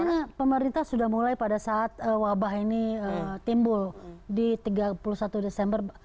karena pemerintah sudah mulai pada saat wabah ini timbul di tiga puluh satu desember